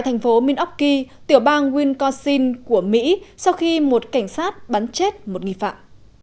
thành phố milwaukee tiểu bang wisconsin của mỹ sau khi một cảnh sát bắn chết một nghi phạm